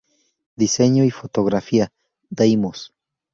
Diseño y fotografía: Deimos.